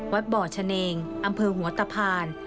วัดบ่อชะเนงอำเภอหัวตะพาน